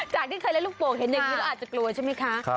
ที่เคยเล่นลูกโป่งเห็นอย่างนี้แล้วอาจจะกลัวใช่ไหมคะ